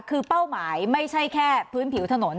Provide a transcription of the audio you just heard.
คือเป้าหมายไม่ใช่แค่พื้นผิวถนน